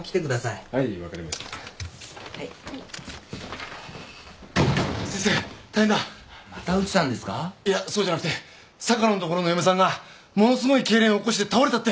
いやそうじゃなくて坂野んところの嫁さんがものすごい痙攣起こして倒れたって！